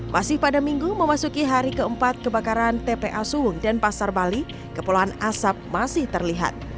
masih pada minggu memasuki hari keempat kebakaran tpa suwung dan pasar bali kepulauan asap masih terlihat